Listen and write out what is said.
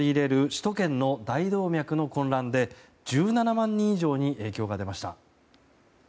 首都圏の大動脈の混乱で１７万人以上に影響が出ました。